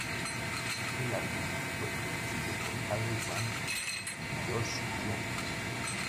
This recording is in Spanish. El álbum fue producido por Harry Vanda y George Young.